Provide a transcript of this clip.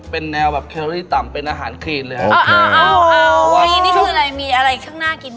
เป็นแนวแบบเคลอรี่ต่ำเป็นอาหารครีนเลยครับ